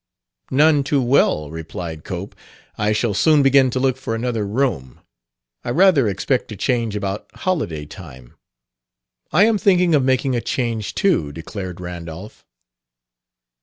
"None too well," replied Cope. "I shall soon begin to look for another room. I rather expect to change about holiday time." "I am thinking of making a change too," declared Randolph.